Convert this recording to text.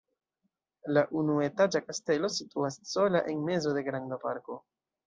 La unuetaĝa kastelo situas sola en mezo de granda parko.